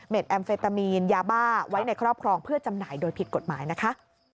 แอมเฟตามีนยาบ้าไว้ในครอบครองเพื่อจำหน่ายโดยผิดกฎหมายนะคะ